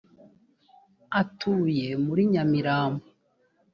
atuye muri nyamirambo.